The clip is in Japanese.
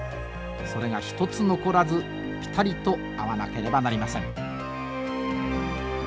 それが一つ残らずピタリと合わなければなりません。